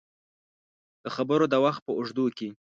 د خبرو د وخت په اوږدو کې